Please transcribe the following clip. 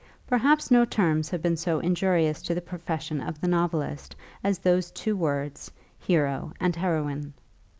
Perhaps no terms have been so injurious to the profession of the novelist as those two words, hero and heroine.